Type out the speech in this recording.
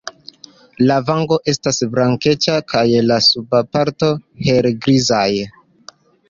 La vango estas blankeca kaj la subaj partoj helgrizaj.